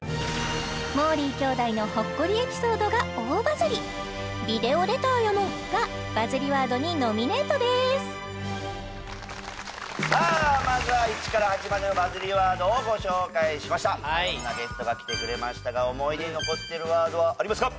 もーりー兄弟のほっこりエピソードが大バズりがバズりワードにノミネートですさあまずは１から８までのバズりワードをご紹介しましたいろんなゲストが来てくれましたが思い出に残っているワードはありますか？